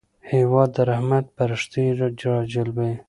هېواد د رحمت پرښتې راجلبوي.